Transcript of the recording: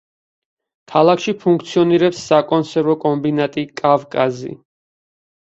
ქალაქში ფუნქციონირებს საკონსერვო კომბინატი „კავკაზი“.